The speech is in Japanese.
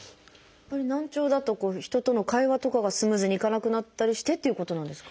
やっぱり難聴だと人との会話とかがスムーズにいかなくなったりしてっていうことなんですか？